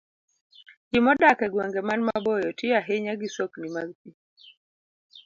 Ji modak e gwenge man maboyo tiyo ahinya gi sokni mag pi.